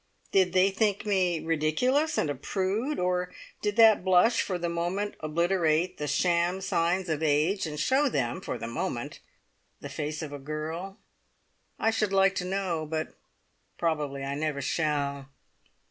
Did they think me ridiculous and a prude, or did that blush for the moment obliterate the sham signs of age, and show them for the moment the face of a girl? I should like to know, but probably I never shall.